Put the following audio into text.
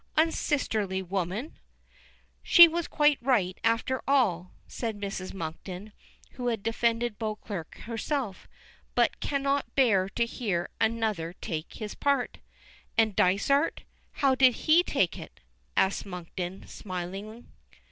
"Unsisterly woman!" "She was quite right, after all," says Mrs. Monkton, who had defended Beauclerk herself, but cannot bear to hear another take his part. "And, Dysart how did he take it?" asks Monkton, smiling.